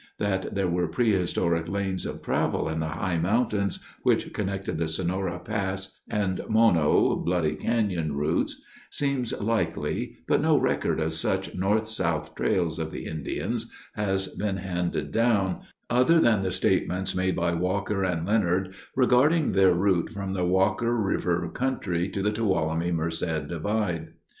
That there were prehistoric lanes of travel in the high mountains which connected the Sonora Pass and Mono (Bloody Canyon) routes seems likely but no record of such north south trails of the Indians has been handed down, other than the statements made by Walker and Leonard regarding their route from the Walker River country to the Tuolumne Merced divide.